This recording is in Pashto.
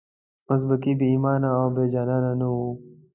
اربکی بې ایمانه او بې جانانه نه وو.